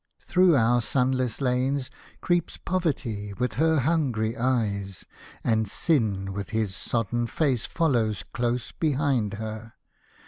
Through our sun less lanes creeps Poverty with her hungry eyes, and Sin with his sodden face follows close behind her.